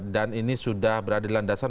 dan ini sudah berada di landasan